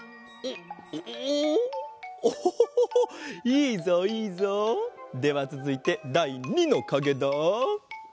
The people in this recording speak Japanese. いいぞいいぞ。ではつづいてだい２のかげだ！